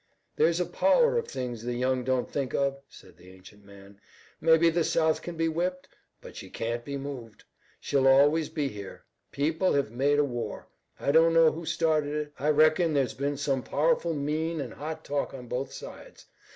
"There's a power of things the young don't think of," said the ancient man. "Mebbe the South can be whipped, but she can't be moved. She'll always be here. People hev made a war. I don't know who started it. I reckon there's been some powerful mean an' hot talk on both sides.